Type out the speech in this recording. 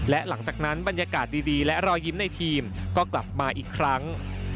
และหลังจากนั้นบรรยากาศดีและรอยยิ้มในทีมก็กลับมาอีกครั้ง